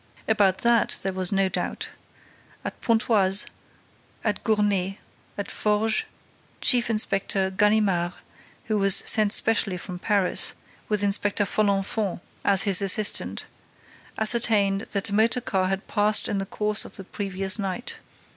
About that there was no doubt. At Pontoise, at Gournay, at Forges, Chief inspector Ganimard, who was sent specially from Paris, with Inspector Folenfant, as his assistant, ascertained that a motor car had passed in the course of the previous night.